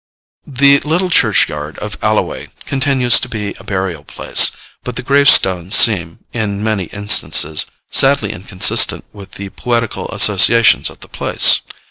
The little churchyard of Alloway continues to be a burial place; but the gravestones seem, in many instances, sadly inconsistent with the poetical associations of the place.